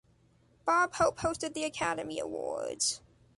Bob Hope hosted the Academy Awards.